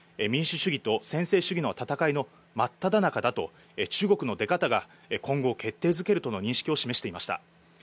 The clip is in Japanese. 民主主義と専制主義の戦いの真っただ中だと中国の出方が今後決定づけるとの認識を示していました。